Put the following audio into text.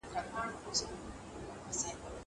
زه به سبا کښېناستل کوم!